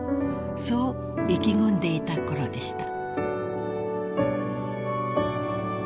［そう意気込んでいたころでした］